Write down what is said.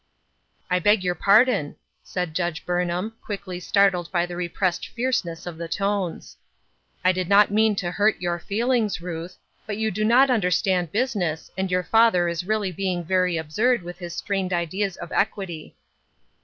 "I beg your pardon," said Judge Burnham, quickly startled by the repressed fierceness of the tones. " I did not mean to hurt your feelings, Ruth, but you do not understand business, and your father is really being very absurd with his strained ideas of equity."